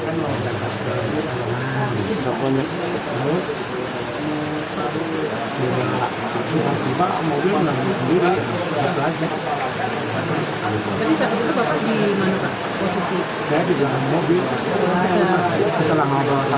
jadi siapa itu bapak di mana pak posisi